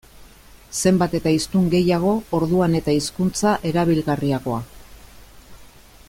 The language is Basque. Zenbat eta hiztun gehiago, orduan eta hizkuntza erabilgarriagoa.